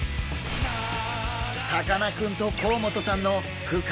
さかなクンと甲本さんの深い対談。